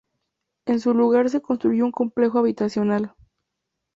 En su lugar se construyó un complejo habitacional.